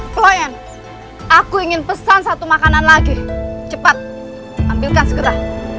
klien aku ingin pesan satu makanan lagi cepat tampilkan segera